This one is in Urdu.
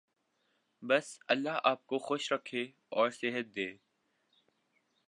بس اللہ آپ کو خوش رکھے اور صحت دے۔